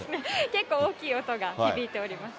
結構大きい音が響いております。